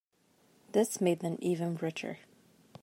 This made them even richer.